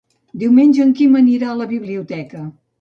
Diumenge en Quim anirà a la biblioteca.